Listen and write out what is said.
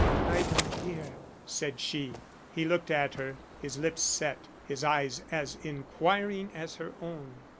"I don't hear," said she. He looked at her, his lips set, his eyes as inquiring as her own.